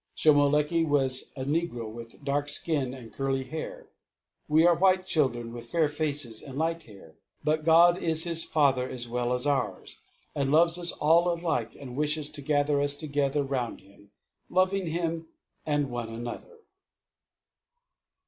Shomolekae was a negro with dark skin and curly hair. We are white children with fair faces and light hair. But God is his Father as well as ours and loves us all alike and wishes to gather us together round Him loving Him and one another.